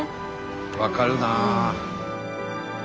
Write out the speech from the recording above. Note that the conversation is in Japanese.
分かるなあ！